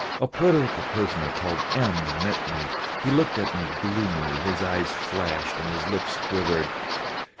A political prisoner called M. met me; he looked at me gloomily, his eyes flashed and his lips quivered.